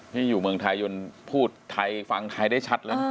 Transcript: นี่อยู่เมืองไทยยนพูดไทยฟังไทยได้ชัดแล้วนะ